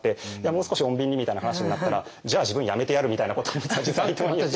もう少し穏便にみたいな話になったら「じゃあ自分辞めてやる」みたいなことも実は伊藤に言って。